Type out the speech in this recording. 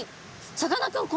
さかなクン！